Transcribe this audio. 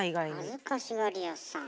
恥ずかしがり屋さん。